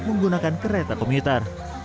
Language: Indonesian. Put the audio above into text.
menggunakan kereta komuter